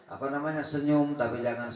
apa namanya senyum tapi jangan senyum selamanya